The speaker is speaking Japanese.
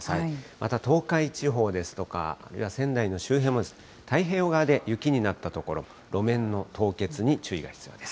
また、東海地方ですとか仙台の周辺もです、太平洋側で雪になった所も路面の凍結に注意が必要です。